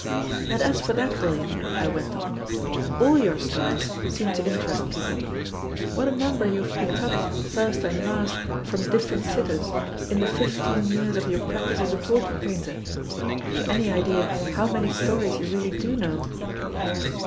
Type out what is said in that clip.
"And as for that, William," I went on, "all your stories seem to interest people. What a number you have picked up, first and last, from different sitters, in the fifteen years of your practice as a portrait painter! Have you any idea how many stories you really do know?"